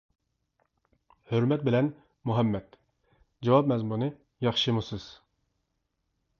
ھۆرمەت بىلەن : مۇھەممەد جاۋاب مەزمۇنى: ياخشىمۇ سىز.